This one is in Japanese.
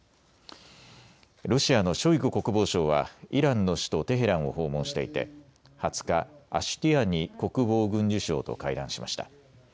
ロシアのショイグ国防相はイランの首都テヘランを訪問していて２０日、アシュティアニ国防軍需相と会談しました。